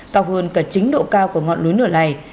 cao hơn cả chính độ cao của ngọn núi nửa này